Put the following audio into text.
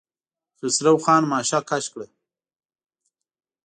خسرو خان ماشه کش کړه.